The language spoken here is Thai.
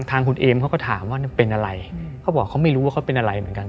ทางคุณเอมเขาก็ถามว่าเป็นอะไรเขาบอกเขาไม่รู้ว่าเขาเป็นอะไรเหมือนกัน